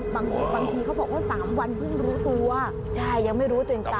บางทีเขาบอกว่า๓วันเพิ่งรู้ตัวใช่ยังไม่รู้ตัวเองตาย